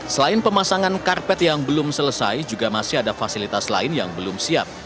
selain pemasangan karpet yang belum selesai juga masih ada fasilitas lain yang belum siap